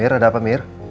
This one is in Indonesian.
ya mir ada apa mir